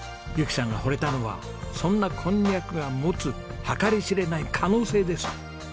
由紀さんが惚れたのはそんなこんにゃくが持つ計り知れない可能性です。